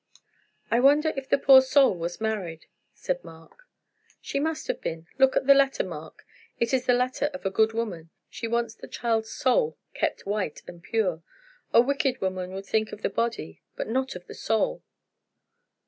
"I wonder if the poor soul was married?" said Mark. "She must have been! Look at the letter, Mark. It is the letter of a good woman. She wants the child's soul kept white and pure. A wicked woman would think of the body, but not of the soul!"